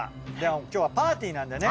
今日はパーティーなんでね。